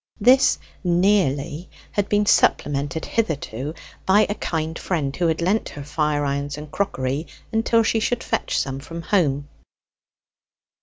This 'nearly' had been supplemented hitherto by a kind friend, who had lent her fire irons and crockery until she should fetch some from home.